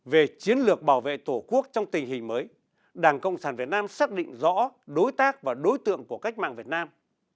về chiến lược bảo vệ tổ quốc trong tình hình mới đảng cộng sản việt nam xác định rõ đối tác và đối tượng của cách mạng việt nam